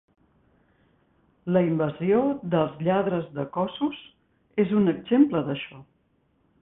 "La invasió dels lladres de cossos" és un exemple d'això.